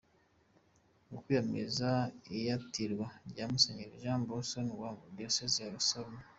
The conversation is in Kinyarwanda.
Ukwiyamiriza iyatirwa rya Musenyeri Juan Barrosuri wa Diyosezi ya Osorno.